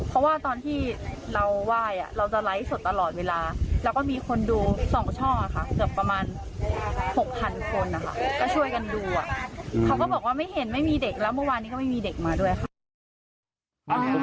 ก็เชอะคักนึงอะพี่ขนลุกอะ